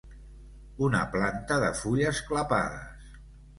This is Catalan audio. Una planta de fulles clapades.